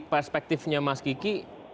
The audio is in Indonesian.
perspektifnya mas kiki